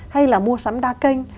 hay là mua sắm đa kênh